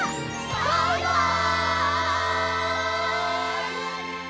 バイバイ！